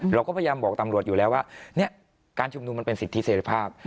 เราก็พยายามบอกตำรวจอยู่แล้วว่าเนี่ยการชุมนุมมันเป็นสิทธิเสร็จภาพ